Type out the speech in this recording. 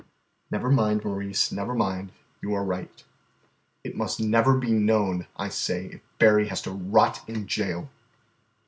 "Never mind, Maurice, never mind, you are right." "It must never be known, I say, if Berry has to rot in jail."